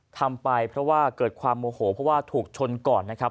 ทำไปเพราะว่าเกิดความโมโหเพราะว่าถูกชนก่อนนะครับ